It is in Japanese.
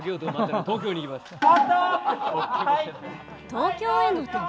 東京への旅。